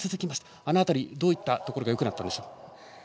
あの辺り、どういったところがよくなったんでしょう。